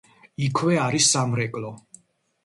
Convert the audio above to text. იქვე არის სამრეკლო.